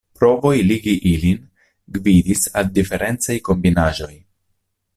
Provoj ligi ilin gvidis al diferencaj kombinaĵoj.